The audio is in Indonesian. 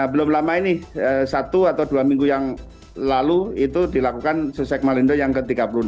belum lama ini satu atau dua minggu yang lalu itu dilakukan susek malindo yang ke tiga puluh enam